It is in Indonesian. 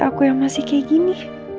aku yang masih kayak gini